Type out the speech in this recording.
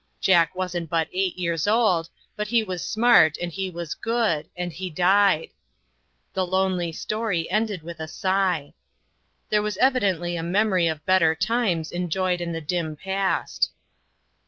Jack wasn't but eight years old ; but he was smart, and he was good, and he died." The LOST FRIENDS. 237 lonely story ended with a sigh. There was evidently a memory of better times enjoyed in the dim past.